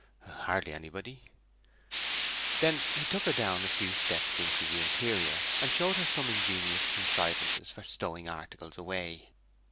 'Hardly anybody.' He then took her down a few steps into the interior, and showed her some ingenious contrivances for stowing articles away.